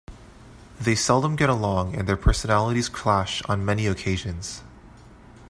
They seldom get along and their personalities clash on many occasions.